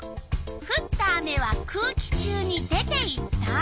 「ふった雨は空気中に出ていった」。